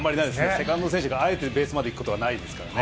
セカンドの選手があえてベースまで行くことはないですからね。